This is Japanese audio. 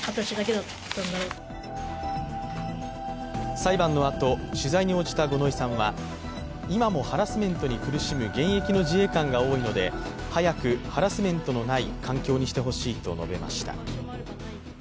裁判のあと、取材に応じた五ノ井さんは今もハラスメントに苦しむ現役の自衛官が多いので早くハラスメントのない環境にしてほしいと述べました。